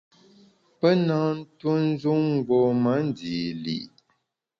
Pe nâ ntue njun mgbom-a ndî li’.